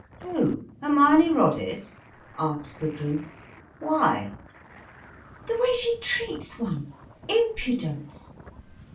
"Who, Hermione Roddice?" asked Gudrun. "Why?" "The way she treats one—impudence!"